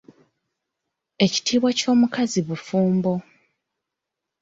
Ekitiibwa ky’omukyala bufumbo.